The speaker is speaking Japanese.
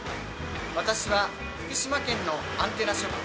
私は福島県のアンテナショップ